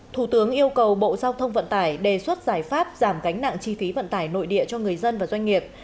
thủ tướng yêu cầu bộ giao thông vận tải đề xuất giải pháp giảm gánh nặng chi phí vận tải nội địa cho người dân và doanh nghiệp